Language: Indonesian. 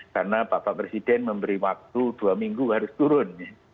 karena pak presiden memberi waktu dua minggu harus turun